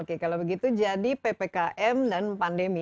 oke kalau begitu jadi ppkm dan pandemi